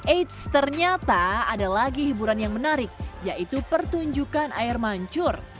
eits ternyata ada lagi hiburan yang menarik yaitu pertunjukan air mancur